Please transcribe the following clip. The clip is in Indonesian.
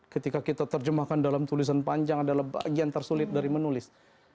ketika kita terjemahkan dalam tulisan panjang adalah bagian tersulit dari menulis